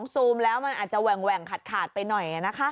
ซูมแล้วมันอาจจะแหว่งขาดไปหน่อย